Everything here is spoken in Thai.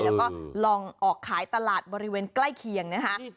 แล้วก็ลองออกขายตลาดบริเวณใกล้เคียงนะคะ